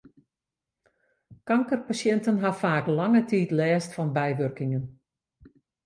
Kankerpasjinten ha faak lange tiid lêst fan bywurkingen.